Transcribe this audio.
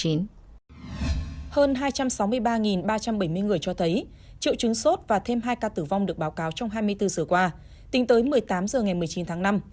hơn hai trăm sáu mươi ba ba trăm bảy mươi người cho thấy triệu chứng sốt và thêm hai ca tử vong được báo cáo trong hai mươi bốn giờ qua tính tới một mươi tám h ngày một mươi chín tháng năm